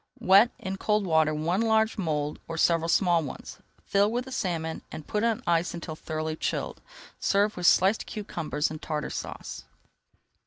Wet in cold water one large mould or several small ones, fill with the salmon and put on ice until thoroughly chilled. Serve with sliced cucumbers and Tartar Sauce.